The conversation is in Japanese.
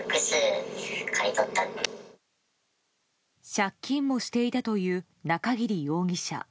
借金もしていたという中桐容疑者。